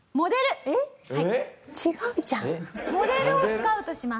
モデルをスカウトします。